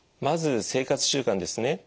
まず生活習慣ですね。